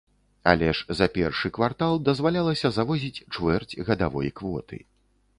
Але ж за першы квартал дазвалялася завозіць чвэрць гадавой квоты.